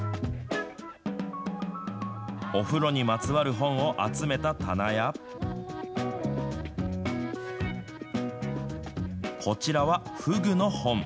お風呂にまつわる本を集めた棚やこちらはふぐの本。